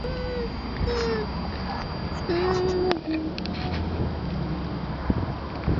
僧孺是隋代仆射牛弘的后代。